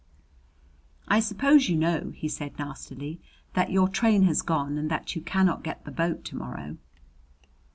"I suppose you know," he said nastily, "that your train has gone and that you cannot get the boat tomorrow?"